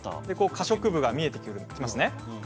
可食部が見えてきますね。